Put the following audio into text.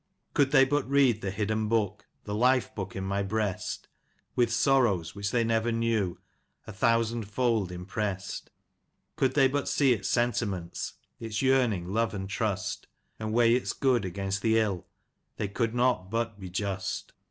Could they but read the hidden book, the life book in my breast, With sorrows which they never knew, a thousand fold impressed — Could they but see its sentiments, its yearning, love, and trust. And weigh its good against the ill, they could not but be just.